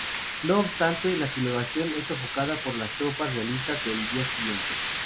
No obstante, la sublevación es sofocada por las tropas realistas al día siguiente.